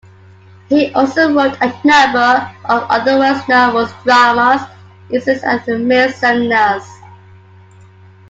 He also wrote a number of other works-novels, dramas, essays and miscellanies.